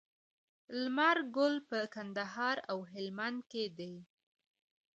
لمر ګل په کندهار او هلمند کې دی.